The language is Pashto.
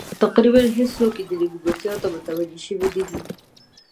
تقریبا هېڅوک یې دې نیمګړتیا ته متوجه شوي نه دي.